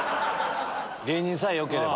芸人さえよければ。